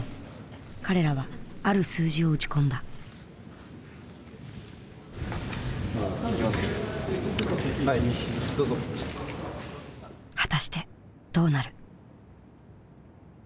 彼らはある数字を打ち込んだ果たしてどうなる？